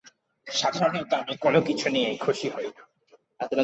সাধারণত আমি কোনোকিছু নিয়ে খুশি হই না।